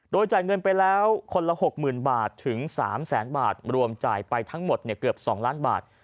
โดยจ่ายเงินไปแล้วคนละ๖๐๐๐บาทถึง๓แสนบาทรวมจ่ายไปทั้งหมดเกือบ๒ล้านบาท